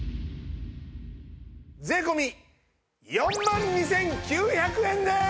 税込４万２９００円です！